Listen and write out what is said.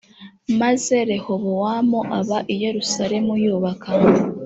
maze rehobowamu aba i yerusalemu yubaka